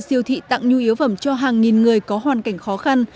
siêu thị tặng nhu yếu phẩm cho hàng nghìn người có hoàn cảnh khó khăn